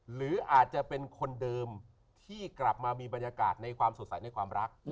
หรืออาจจะเป็นคนเดิมที่กลับมามีบรรยากาศในความสดใสในความรัก